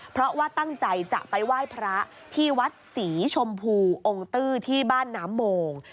เพราะว่าตั้งใจจะไปไหว้พระที่วัดศรีชมพูองค์ตื้อที่บ้านน้ำโมง